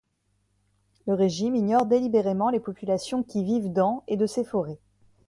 Le régime ignore délibérément les populations qui vivent dans et de ces forêts.